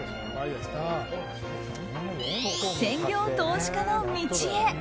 専業投資家の道へ。